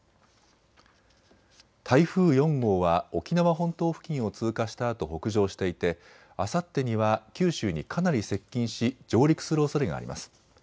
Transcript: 台風４号は沖縄本島付近を通過したあと北上していてあさってには九州にかなり接近し上陸するおそれがあります。